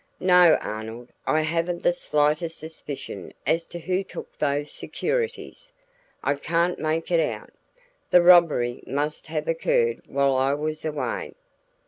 "No, Arnold, I haven't the slightest suspicion as to who took those securities. I can't make it out. The robbery must have occurred while I was away.